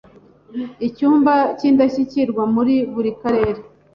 Icyumba cy’indashyikirwa muri buri karere